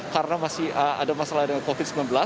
karena masih ada masalah dengan covid sembilan belas